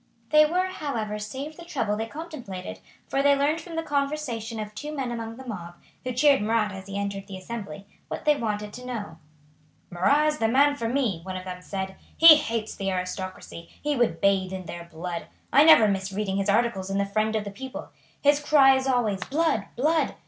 They were, however, saved the trouble they contemplated, for they learned from the conversation of two men among the mob, who cheered Marat as he entered the Assembly, what they wanted to know. "Marat is the man for me," one of them said. "He hates the aristocracy; he would bathe in their blood. I never miss reading his articles in the Friend of the People. His cry is always 'Blood! Blood!'